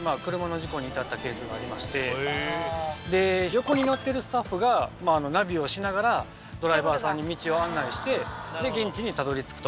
横に乗ってるスタッフがナビをしながらドライバーさんに道を案内して現地にたどり着くと。